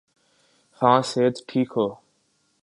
ہاں صحت ٹھیک ہو۔